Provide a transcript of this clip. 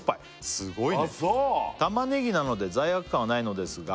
すごいね「玉ねぎなので罪悪感はないのですが」